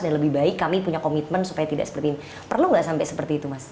dan lebih baik kami punya komitmen supaya tidak seperti ini perlu nggak sampai seperti itu mas anies